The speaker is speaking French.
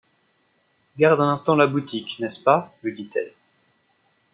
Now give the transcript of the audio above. Garde un instant la boutique, n’est-ce pas ? lui dit-elle.